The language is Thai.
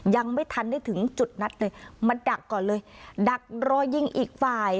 ยังไม่ทันได้ถึงจุดนัดเลยมาดักก่อนเลยดักรอยิงอีกฝ่าย